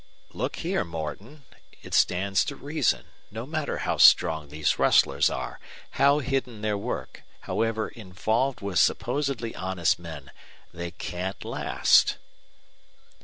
"Look here, Morton. It stands to reason, no matter how strong these rustlers are, how hidden their work, however involved with supposedly honest men they CAN'T last."